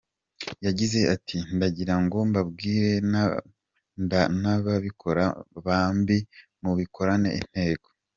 Yagize ati “Ndagira ngo mbabwire n’ababikora bambi, mubikorane intego.